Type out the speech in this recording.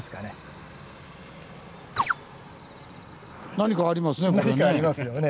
何かありますよね